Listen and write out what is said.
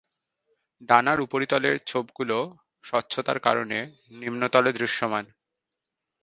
ডানার উপরিতলের ছোপগুলি স্বচ্ছতার কারণে নিম্নতলে দৃশ্যমান।